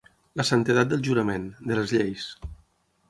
La santedat del jurament, de les lleis.